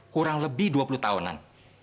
kurang lebih dua puluh tahunan